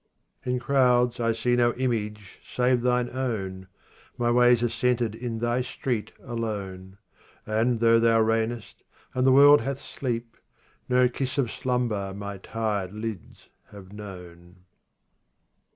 25 In crowds I see no image save thine own, My ways are centred in thy street alone ; And though thou reignest, and the world hath sleep, No kiss of slumber my tired lids have known.